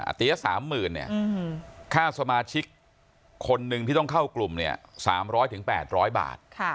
อาเตียสามหมื่นค่าสมาชิกคนหนึ่งที่ต้องเข้ากลุ่ม๓๐๐๘๐๐บาท